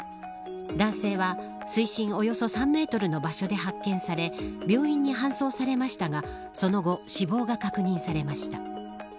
男性は水深およそ３メートルの場所で発見され病院に搬送されましたがその後、死亡が確認されました。